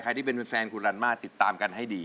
อย่างที่เป็นแฟนของคุณรันมาตรีติดตามกันให้ดี